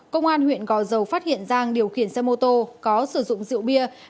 công an huyện gò dầu phát hiện giang điều khiển xe mô tô có sử dụng rượu bia